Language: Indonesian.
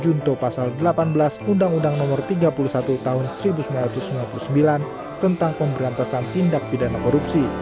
junto pasal delapan belas undang undang no tiga puluh satu tahun seribu sembilan ratus sembilan puluh sembilan tentang pemberantasan tindak pidana korupsi